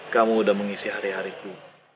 kamu udah mengisi hari hariku